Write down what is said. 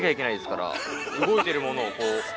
動いてるものをこう。